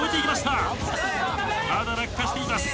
ただ落下しています。